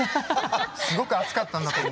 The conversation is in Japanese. すごく暑かったんだと思う。